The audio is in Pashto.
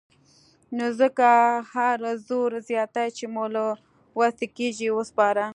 نو ځکه هر زور زياتی چې مو له وسې کېږي وسپاره.